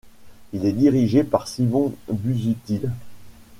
Il est dirigé par Simon Busuttil.